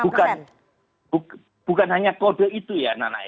bukan bukan hanya kode itu ya nanay